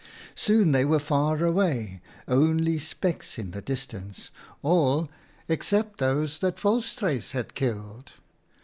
Soon they were far away, only specks in the distance ; all except those that Volstruis had killed.